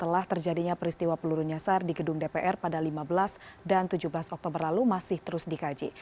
setelah terjadinya peristiwa peluru nyasar di gedung dpr pada lima belas dan tujuh belas oktober lalu masih terus dikaji